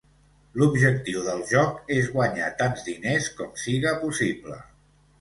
L'objectiu del joc és guanyar tants diners com siga possible.